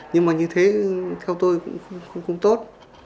nhưng mà như thế theo tôi cũng không tốt